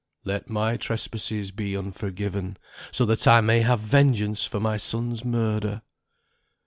"Let my trespasses be unforgiven, so that I may have vengeance for my son's murder."